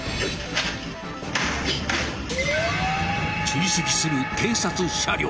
［追跡する警察車両］